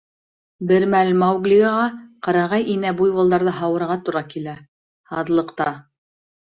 Бер мәл Мауглиға ҡырағай инә буйволдарҙы һауырға тура килә. һаҙлыҡта.